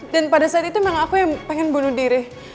pada saat itu memang aku yang pengen bunuh diri